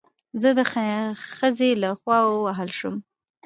زه د خځې له خوا ووهل شوم